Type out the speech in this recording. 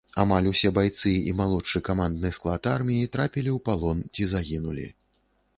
Амаль усе байцы і малодшы камандны склад арміі трапілі ў палон ці загінулі.